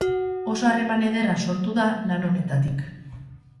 Oso harreman ederra sortu da lan honetatik.